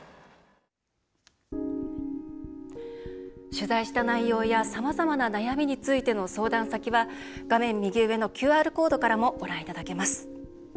取材した内容やさまざまな悩みについての相談先は画面右上のＱＲコードからもご覧いただけます。